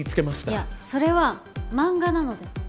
いやそれは漫画なので。